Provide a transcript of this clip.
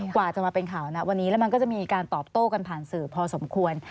กว่าจะมาเป็นข่าวนะวันนี้แล้วมันก็จะมีการตอบโต้กันผ่านสื่อพอสมควร